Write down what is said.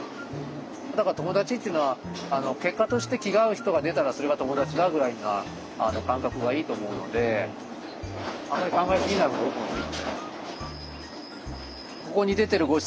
だから友達っていうのは結果として気が合う人が出たらそれが友達だぐらいな感覚がいいと思うのであまり考えすぎないほうがいい。